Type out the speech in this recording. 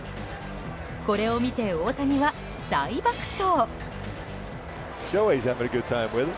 これを見て、大谷は大爆笑。